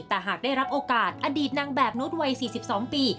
แต่หากได้รับโอกาสอดีตนางแบบนุษย์วัย๔๒ปี